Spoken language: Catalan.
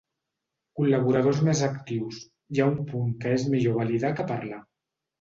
Col·laboradors més actius, hi ha un punt que és millor validar que parlar.